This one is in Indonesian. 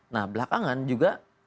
nah belakangan juga